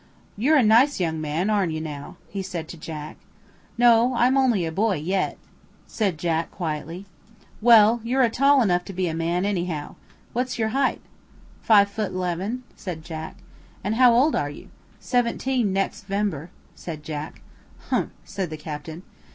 "You're a nice young man, arn't you now?" he said to Jack. "No, I'm only a boy yet," said Jack quietly. "Well, you're tall enough to be a man, anyhow. What's your height?" "Five foot 'leven," said Jack. "And how old are you?" "Seventeen next 'vember," said Jack. "Humph!" said the captain.